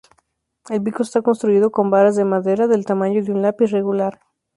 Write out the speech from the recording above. El pico está construido con varas de madera del tamaño de una lápiz regular.